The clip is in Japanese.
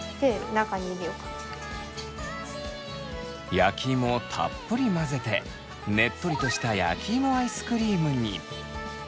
焼きいもをたっぷり混ぜてねっとりとした焼きいもアイスクリームに。